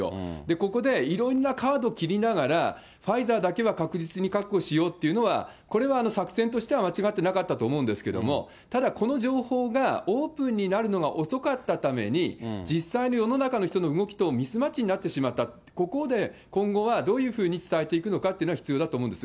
ここでいろんなカード切りながら、ファイザーだけは確実に確保しようというのは、これは作戦としては間違ってなかったと思うんですけど、ただこの情報がオープンになるのは、遅かったために、実際に世の中の人の動きとミスマッチになってしまった、ここで今後はどういうふうに伝えていくのかというのは必要だと思うんです。